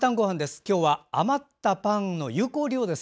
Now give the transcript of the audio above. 今日は余ったパンの有効利用です。